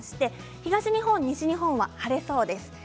東日本、西日本は晴れそうです。